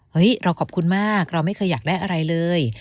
เราขอบคุณมากเราไม่เคยอยากได้อะไรเลย